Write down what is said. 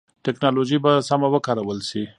ټکنالوژي به سمه وکارول شي.